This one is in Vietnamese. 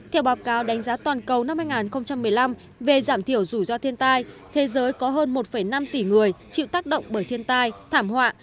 theo báo cáo đánh giá toàn cầu năm hai nghìn một mươi năm về giảm thiểu rủi ro thiên tai thế giới có hơn một năm tỷ người chịu tác động bởi thiên tai thảm họa